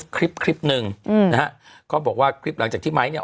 คริปนึงนะฮะเขาก็บอกว่าทริปหลังจากที่ไม้เนี้ย